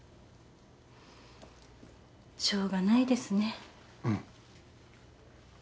しょうがないですね。